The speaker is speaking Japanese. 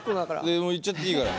いやもういっちゃっていいから。